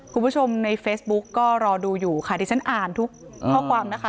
คุณผู้ชมในเฟซบุ๊กก็รอดูอยู่ค่ะดิฉันอ่านทุกข้อความนะคะ